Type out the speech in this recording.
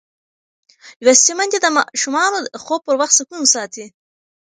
لوستې میندې د ماشومانو د خوب پر وخت سکون ساتي.